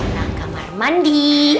nah kamar mandi